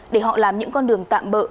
để họ làm những con đường tạm bỡ